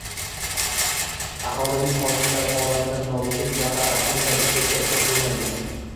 Aholining hokimlar holatidan nolishi shunaqa arzon va effekti uzoq bo‘lmagan